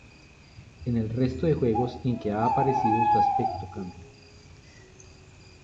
En el resto de juegos en que ha aparecido su aspecto cambia.